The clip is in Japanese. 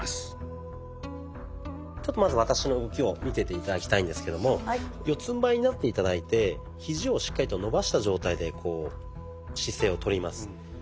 ちょっとまず私の動きを見てて頂きたいんですけども四つんばいになって頂いてひじをしっかりと伸ばした状態でこう姿勢をとります。